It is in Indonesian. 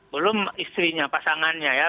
belum istrinya pasangannya ya